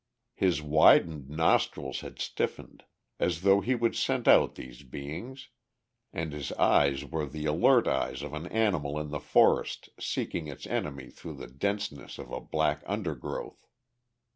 His widened nostrils had stiffened, as though he would scent out these beings, and his eyes were the alert eyes of an animal in the forest seeking its enemy through the denseness of a black undergrowth.